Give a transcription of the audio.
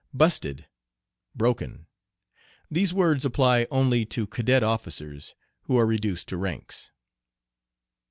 "Busted," "broken." These words apply only to cadet officers who are reduced to ranks.